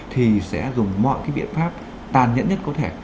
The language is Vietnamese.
thì sẽ dùng mọi cái biện pháp tàn nhẫn nhất có thể